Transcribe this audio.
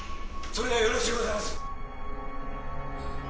「それがよろしゅうございます！」